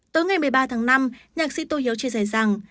tối ngày một mươi ba tháng năm nhạc sĩ tô hiếu chia sẻ rằng